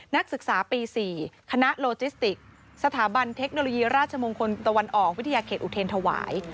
นักศึกษาปี๔คณะโลจิสติกสถาบันเทคโนโลยีราชมงคลตะวันออกวิทยาเขตอุเทรนธวาย